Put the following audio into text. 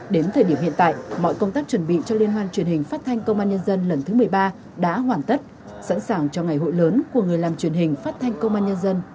đến thời điểm hiện tại mọi công tác chuẩn bị cho liên hoan truyền hình phát thanh công an nhân dân lần thứ một mươi ba đã hoàn tất sẵn sàng cho ngày hội lớn của người làm truyền hình phát thanh công an nhân dân